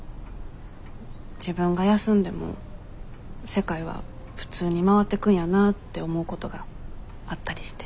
自分が休んでも世界は普通に回ってくんやなって思うことがあったりして。